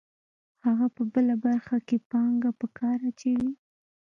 هغه په بله برخه کې پانګه په کار اچوي